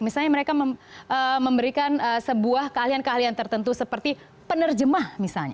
misalnya mereka memberikan sebuah keahlian keahlian tertentu seperti penerjemah misalnya